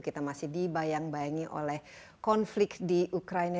kita masih dibayang bayangi oleh konflik di ukraina